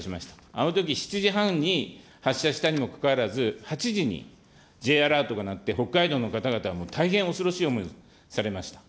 あのとき、７時半に発射したにもかかわらず、８時にＪアラートが鳴って北海道の方々、大変恐ろしい思いをされました。